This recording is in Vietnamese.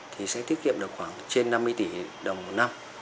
thì sẽ tiết kiệm được khoảng trên năm mươi tỷ đồng một năm